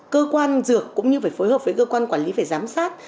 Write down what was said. cơ quan dược cũng như phải phối hợp với cơ quan quản lý phải giám sát